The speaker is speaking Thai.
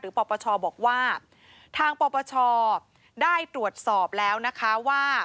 ปปชบอกว่าทางปปชได้ตรวจสอบแล้วนะคะว่า